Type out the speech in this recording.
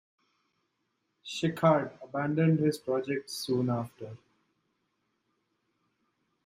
Schickard abandoned his project soon after.